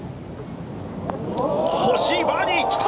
欲しいバーディー来た！